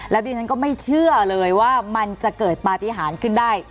ดิฉันก็ไม่เชื่อเลยว่ามันจะเกิดปฏิหารขึ้นได้